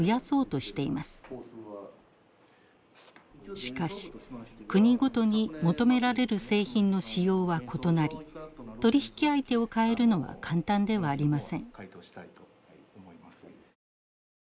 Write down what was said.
しかし国ごとに求められる製品の仕様は異なり取引相手を代えるのは簡単ではありません。